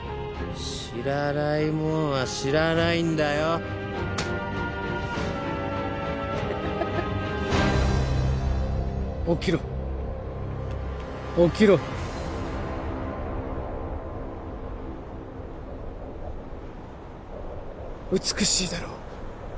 知らないもんは知らないんだよ起きろ起きろ美しいだろう